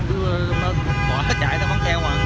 cứ nó chạy nó không theo mà